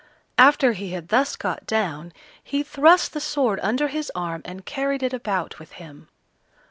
After he had thus got down, he thrust the sword under his arm and carried it about with him.